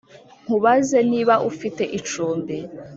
nkubaze niba ufite icumbi